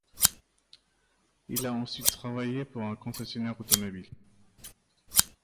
Il a ensuite travaillé pour un concessionnaire automobile.